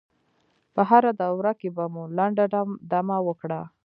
په هره دوره کې به مو لنډه دمه وکړه.